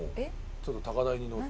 ちょっと高台に乗って。